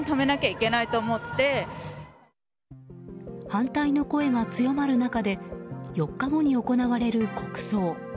反対の声が強まる中で４日後に行われる国葬。